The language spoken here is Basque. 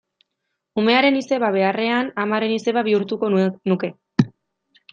Umearen izeba beharrean, amaren izeba bihurtuko nuke.